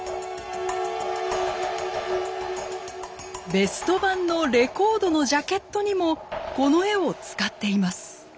ベスト盤のレコードのジャケットにもこの絵を使っています。